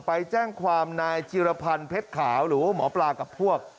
ไปแจ้งความนายจิรพันธ์เพชรขาวหรือว่าหมอปลากับพวก